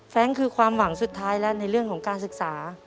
คือความหวังสุดท้ายแล้วในเรื่องของการศึกษา